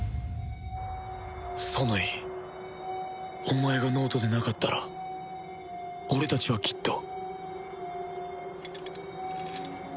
ソノイお前が脳人でなかったら俺たちはきっと